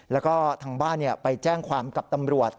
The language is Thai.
แล้วก็ทางบ้านไปแจ้งความกับตำรวจ